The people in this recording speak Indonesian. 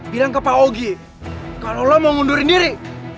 bilang ke pak ogi kalau lo mau mundur diri